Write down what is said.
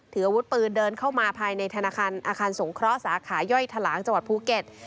ถืออาวุธปืนเดินเข้ามาภายในธนาคารอาคารสงเคราะห์สาขาย่อยทะลางจังหวัดภูเก็ต